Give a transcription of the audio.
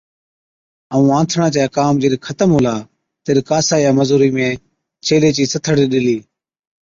ائُون آنٿڻان چَي ڪام جڏ ختم هُلا، تِڏ ڪاسائِيئَي مزُورِي ۾ ڇيلي چِي سٿڙ ڏِلِي۔